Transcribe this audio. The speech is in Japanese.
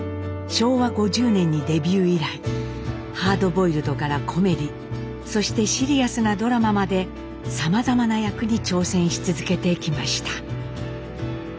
昭和５０年にデビュー以来ハードボイルドからコメディーそしてシリアスなドラマまでさまざまな役に挑戦し続けてきました。